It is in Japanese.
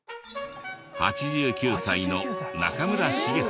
８９歳の仲村シゲさん。